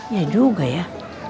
ya juga ya